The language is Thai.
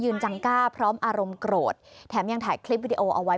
จังกล้าพร้อมอารมณ์โกรธแถมยังถ่ายคลิปวิดีโอเอาไว้